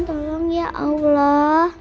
tolong ya allah